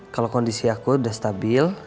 kalau kondisi aku sudah stabil